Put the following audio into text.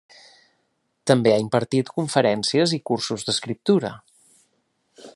També ha impartit conferències i cursos d'escriptura.